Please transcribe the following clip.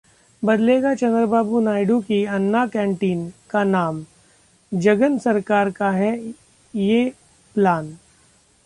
बदलेगा चंद्रबाबू नायडू की 'अन्ना कैंटीन' का नाम, जगन सरकार का ये है प्लान